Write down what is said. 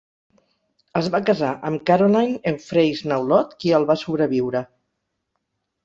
Es va casar amb Caroline Euphraise Naulot, qui el va sobreviure.